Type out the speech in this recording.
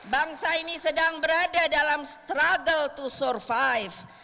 bangsa ini sedang berada dalam struggle to survive